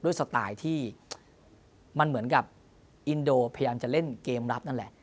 สไตล์ที่มันเหมือนกับอินโดพยายามจะเล่นเกมรับนั่นแหละ